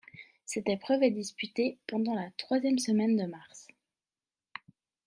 Cette épreuve est disputée pendant la troisième semaine de mars.